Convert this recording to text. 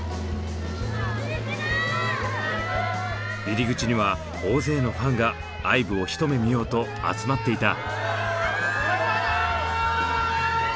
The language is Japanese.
入り口には大勢のファンがＩＶＥをひと目見ようと集まっていた。